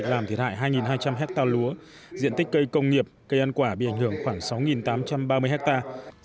làm thiệt hại hai hai trăm linh hectare lúa diện tích cây công nghiệp cây ăn quả bị ảnh hưởng khoảng sáu tám trăm ba mươi hectare